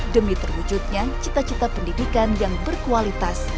demi terwujudnya cita cita pendidikan yang berkualitas